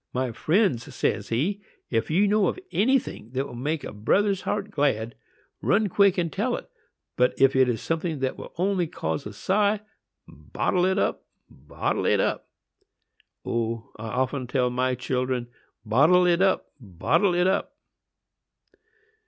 'My friends,' says he, 'if you know of anything that will make a brother's heart glad, run quick and tell it; but if it is something that will only cause a sigh, 'bottle it up, bottle it up!' O, I often tell my children, 'Bottle it up, bottle it up!